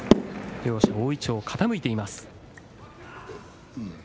両者、大いちょうが傾いています。